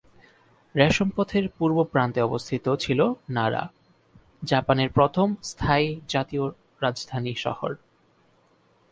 রেশম পথের পূর্ব প্রান্তে অবস্থিত ছিল নারা, জাপানের প্রথম স্থায়ী জাতীয় রাজধানী শহর।